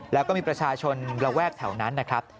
แล้วก็มีประชาชนระแวกแถวนั้นนะครับ